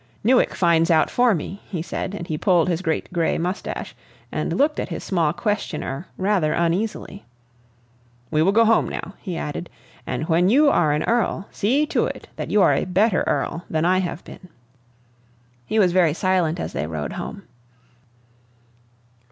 "Newick finds out for me," he said, and he pulled his great gray mustache, and looked at his small questioner rather uneasily. "We will go home now," he added; "and when you are an earl, see to it that you are a better earl than I have been!" He was very silent as they rode home.